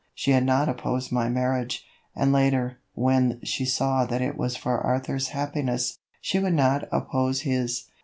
She had not opposed my marriage, and later, when she saw that it was for Arthur's happiness, she would not oppose his.